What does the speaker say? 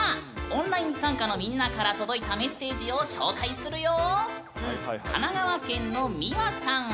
オンライン参加のみんなから届いたメッセージを紹介するよ。